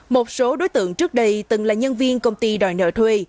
một số đối tượng trước đây từng là nhân viên công ty đòi nợ thuê